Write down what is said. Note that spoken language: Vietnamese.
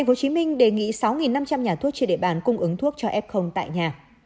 tp hcm đề nghị sáu năm trăm linh nhà thuốc trên địa bàn cung ứng thuốc cho f tại nhà